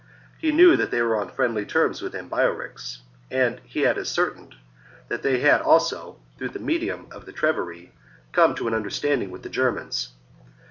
He knew that they were on friendly terms with Ambiorix ; and he had ascertained that they had also, through the medium of the Treveri, come to an understanding with the Germans.